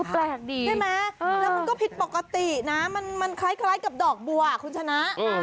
แปลกดีใช่ไหมแล้วมันก็ผิดปกตินะมันคล้ายกับดอกบัวคุณชนะ